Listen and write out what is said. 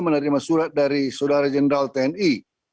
menerima surat dari saudara jenderal tni